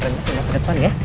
ini bener ya oke